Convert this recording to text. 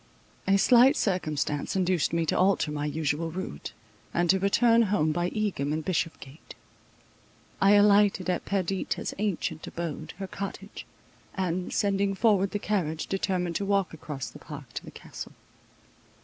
A slight circumstance induced me to alter my usual route, and to return home by Egham and Bishopgate. I alighted at Perdita's ancient abode, her cottage; and, sending forward the carriage, determined to walk across the park to the castle.